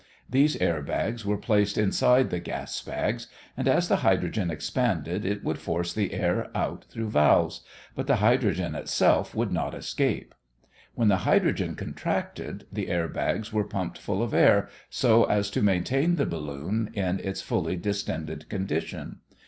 These air bags were placed inside the gas bags and as the hydrogen expanded it would force the air out through valves, but the hydrogen itself would not escape. When the hydrogen contracted, the air bags were pumped full of air so as to maintain the balloon in its fully distended condition.